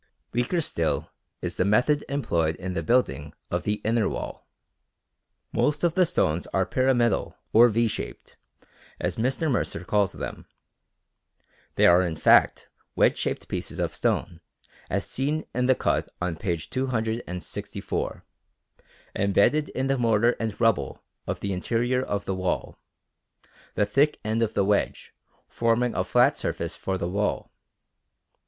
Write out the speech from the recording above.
Weaker still is the method employed in the building of the inner wall. Most of the stones are pyramidal or V shaped, as Mr. Mercer calls them. They are in fact wedge shaped pieces of stone as seen in the cut on p. 264, embedded in the mortar and rubble of the interior of the wall, the thick end of the wedge forming a flat surface for the wall.